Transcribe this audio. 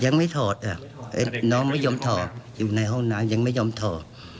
ยังไม่ถอดน้องไม่ยอมถอดอยู่ในห้องน้ำยังไม่ยอมถอด